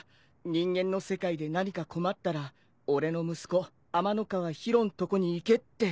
「人間の世界で何か困ったら俺の息子天ノ河宙んとこに行け」って。